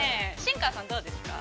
新川さん、どうですか。